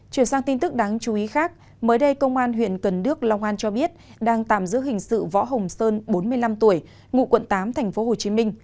chuyển sang tin tức đáng chú ý khác mới đây công an huyện cần đức long an cho biết đang tạm giữ hình sự võ hồng sơn bốn mươi năm tuổi ngụ quận tám tp hcm